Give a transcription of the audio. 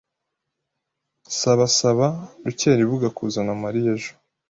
Saba Saba Rukeribuga kuzana Mariya ejo.